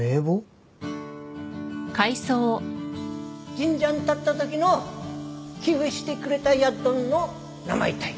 神社ん建ったときの寄付してくれたやっどんの名前たい。